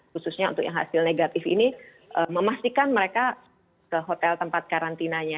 khususnya untuk yang hasil negatif ini memastikan mereka ke hotel tempat karantinanya